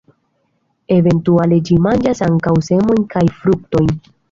Eventuale ĝi manĝas ankaŭ semojn kaj fruktojn.